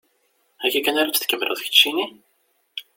Akka kan ara tt-tkemmleḍ keččini?